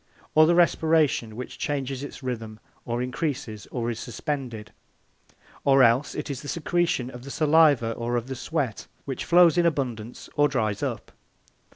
Or the respiration, which changes its rhythm, or increases, or is suspended. Or else it is the secretion of the saliva or of the sweat, which flows in abundance or dries up.